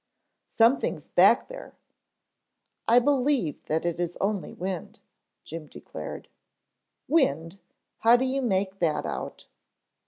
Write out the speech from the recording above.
"Something's back there " "I believe that is only wind," Jim declared. "Wind, how do you make that out?"